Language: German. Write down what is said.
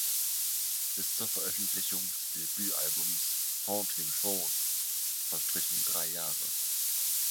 Bis zur Veröffentlichung des Debütalbums "Haunting Shores" verstrichen drei Jahre.